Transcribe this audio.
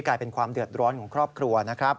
กลายเป็นความเดือดร้อนของครอบครัวนะครับ